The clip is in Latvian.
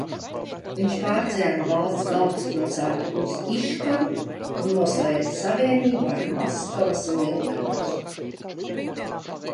Viņš pārcēla valsts galvaspilsētu uz Iškaru un noslēdza savienību ar Maskavas lielkņazu.